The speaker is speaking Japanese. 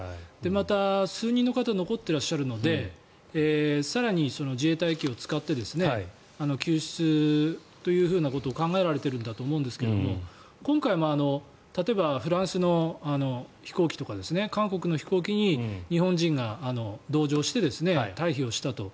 また、数人の方が残っていらっしゃるので更に自衛隊機を使って救出ということを考えられているんだと思うんですが今回例えば、フランスの飛行機とか韓国の飛行機に日本人が同乗して退避したと。